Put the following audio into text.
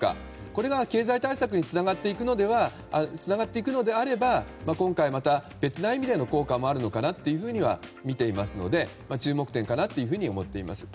これが経済対策につながっていくのであれば今回、また別の意味での効果もあるのかなとみていますので注目点かなというふうに思っています。